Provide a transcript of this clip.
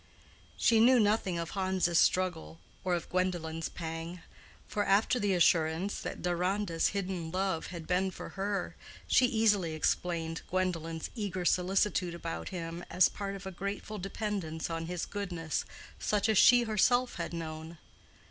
She knew nothing of Hans's struggle or of Gwendolen's pang; for after the assurance that Deronda's hidden love had been for her, she easily explained Gwendolen's eager solicitude about him as part of a grateful dependence on his goodness, such as she herself had known.